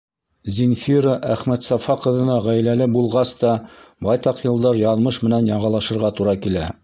Зинфира Әхмәтсафа ҡыҙына ғаиләле булғас та байтаҡ йылдар яҙмыш менән яғалашырға тура килә.